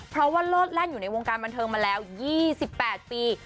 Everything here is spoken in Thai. เพราะว่าโลดแล่นอยู่ในวงการบันเทิงมาแล้ว๒๘ปี